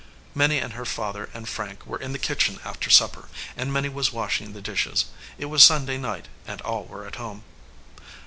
Minnie and her father and Frank were in the kitchen after supper, and Minnie was washing the dishes. It was Sunday night, and all were at home.